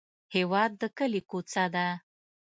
هېواد د کلي کوڅه ده.